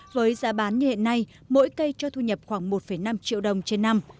với giá bán như hiện nay mỗi cây cho thu nhập khoảng một năm triệu đồng trên năm